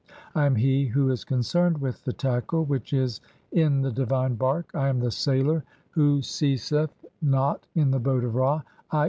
I am he who is concerned with the "tackle (?) (4) [which is] in the divine bark, I am the sailor who "ceaseth not in the boat of Ra.